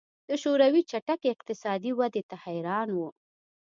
د شوروي چټکې اقتصادي ودې ته حیران وو